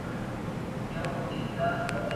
شاهده بیا مي پيښور کښې شپه ده